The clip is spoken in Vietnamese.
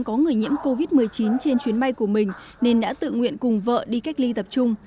có người nhiễm covid một mươi chín trên chuyến bay của mình nên đã tự nguyện cùng vợ đi cách ly tập trung